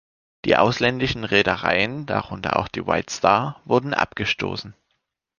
Die ausländischen Reedereien, darunter auch die White Star, wurden abgestoßen.